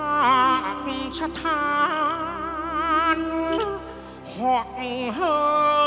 ห่อเหินพรศาวินที่สุขให้พลังและเดินบนทั้งพวกนี้